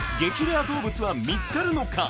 レア動物は見つかるのか？